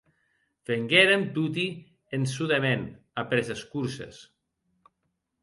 Venguérem toti en çò de mèn après es corses.